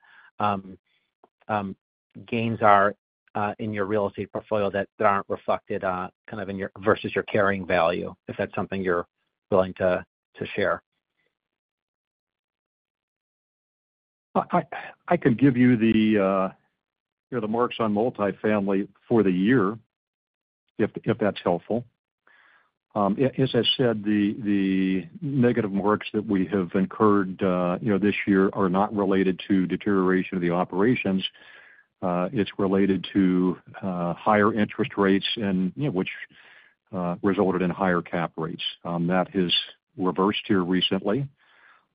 gains are in your real estate portfolio that aren't reflected kind of in your versus your carrying value? If that's something you're willing to share. I could give you the, you know, the marks on multifamily for the year, if that's helpful. As I said, the negative marks that we have incurred, you know, this year are not related to deterioration of the operations. It's related to higher interest rates and, you know, which resulted in higher cap rates. That has reversed here recently.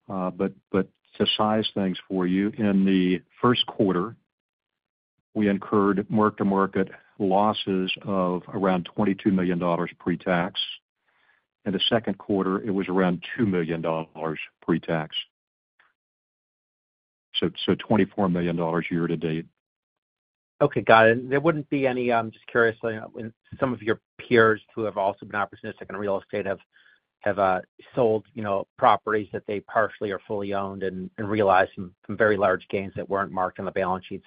But to size things for you, in the first quarter, we incurred mark-to-market losses of around $22 million pre-tax. In the second quarter, it was around $2 million pre-tax. So, twenty-four million dollars year to date. Okay, got it. There wouldn't be any, just curiously, some of your peers who have also been opportunistic in real estate have sold, you know, properties that they partially or fully owned and realized some very large gains that weren't marked on the balance sheet.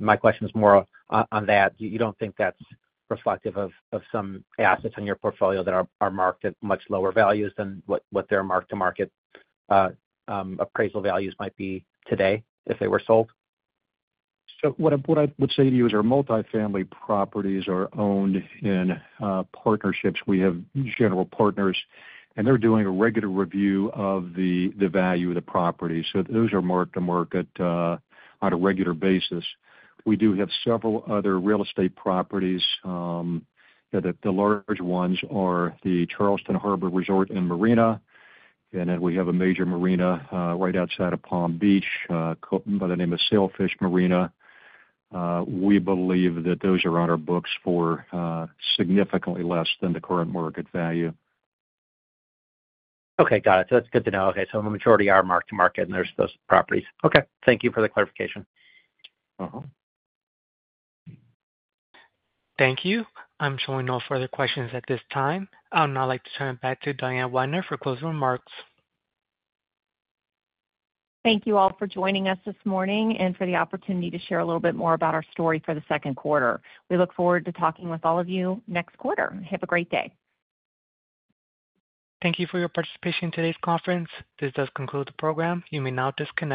My question is more on that. You don't think that's reflective of some assets in your portfolio that are marked at much lower values than what their mark-to-market appraisal values might be today, if they were sold? So what I would say to you is, our multifamily properties are owned in partnerships. We have general partners, and they're doing a regular review of the value of the property. So those are mark to market on a regular basis. We do have several other real estate properties that the large ones are the Charleston Harbor Resort and Marina, and then we have a major marina right outside of Palm Beach called by the name of Sailfish Marina. We believe that those are on our books for significantly less than the current market value. Okay, got it. So that's good to know. Okay, so the majority are mark to market, and there's those properties. Okay, thank you for the clarification. Mm-hmm. Thank you. I'm showing no further questions at this time. I would now like to turn it back to Diane Weidner for closing remarks. Thank you all for joining us this morning, and for the opportunity to share a little bit more about our story for the second quarter. We look forward to talking with all of you next quarter. Have a great day. Thank you for your participation in today's conference. This does conclude the program. You may now disconnect.